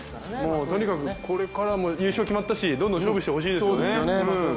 とにかく、これからも優勝決まったし、どんどん勝負してほしいですよね。